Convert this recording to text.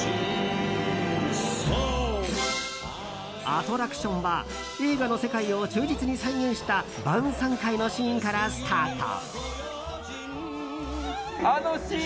アトラクションは映画の世界を忠実に再現した晩さん会のシーンからスタート。